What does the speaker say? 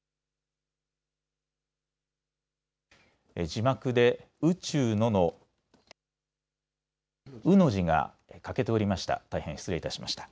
字幕で宇宙のの、うの字が欠けておりました。